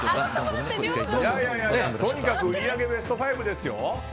とにかく売り上げベスト５ですよ。